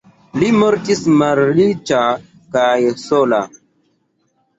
Li mortis malriĉa kaj sola.